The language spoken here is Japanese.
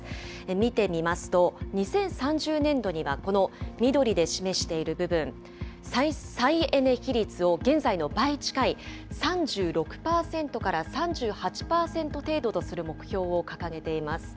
見てみますと、２０３０年度にはこの緑で示している部分、再エネ比率を現在の倍近い３６％から３８％程度とする目標を掲げています。